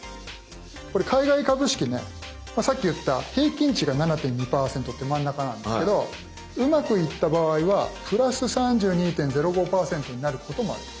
これ海外株式ねさっき言った平均値が７．２％って真ん中なんですけどうまくいった場合は「＋３２．０５％」になることもある。